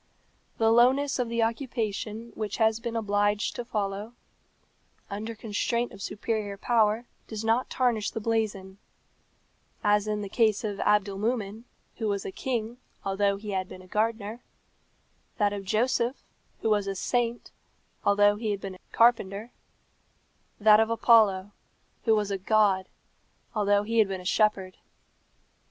The lowness of the occupation which he has been obliged to follow, under constraint of superior power, does not tarnish the blazon: as in the case of Abdolmumen, who was a king, although he had been a gardener; that of Joseph, who was a saint, although he had been a carpenter; that of Apollo, who was a god, although he had been a shepherd."